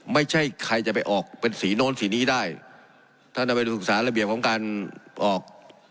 ไม่ใช่ใครจะไปออกเป็นสีโน้นสีนี้ได้ท่านเอาไปศึกษาระเบียบของการออก